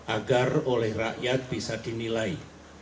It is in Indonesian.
agar oleh rakyat bisa dinilai